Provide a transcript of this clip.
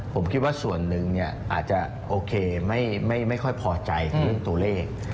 ผมคิดว่าส่วนหนึ่งอาจจะโอเคไม่ค่อยพอใจเรื่องตัวเลข